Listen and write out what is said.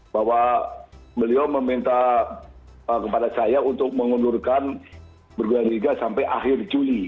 bahwa beliau meminta kepada saya untuk mengundurkan berdua liga sampai akhir juli